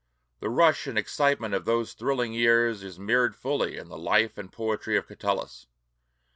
The rush and excitement of those thrilling years is mirrored fully in the life and poetry of Catullus.